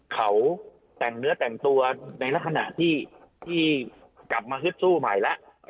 เขาแต่งเนื้อแต่งตัวในลักษณะที่กลับมาฮึดสู้ใหม่แล้ว